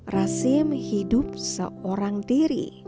rasim hidup seorang diri